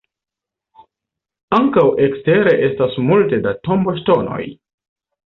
Ankaŭ ekstere estas multe da tomboŝtonoj.